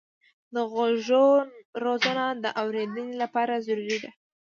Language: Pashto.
د غوږو روزنه د اورېدنې لپاره ضروري ده.